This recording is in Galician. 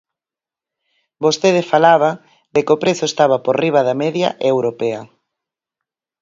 Vostede falaba de que o prezo estaba por riba da media europea.